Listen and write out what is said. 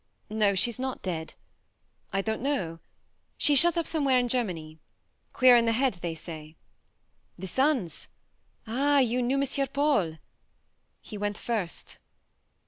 No, she's not dead. ... I don't know. ... She's shut up somewhere in Germany ... queer in the head, they say. ... The sons ah, you knew Monsieur Paul? He went first.